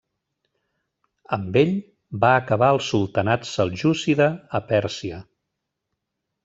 Amb ell va acabar el sultanat seljúcida a Pèrsia.